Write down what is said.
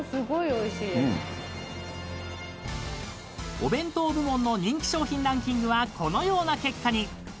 ［お弁当部門の人気商品ランキングはこのような結果に］